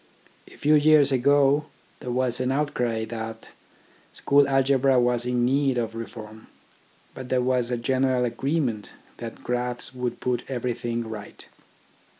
A few years ago there was an outcry that school algebra was in need of reform, but there was a general agreement that graphs would put everything right.